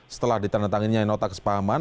setelah ditandatangani nota kesepakaman